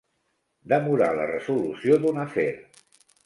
Demorar la resolució d'un afer.